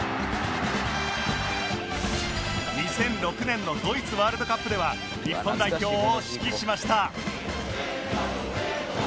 ２００６年のドイツワールドカップでは日本代表を指揮しました